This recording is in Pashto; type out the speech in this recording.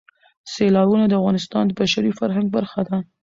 سیلابونه د افغانستان د بشري فرهنګ برخه ده.